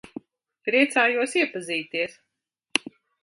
Priecājos iepazīties.